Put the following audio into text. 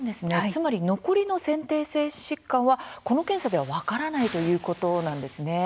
つまり残りの先天性疾患はこの検査では分からないということなんですね。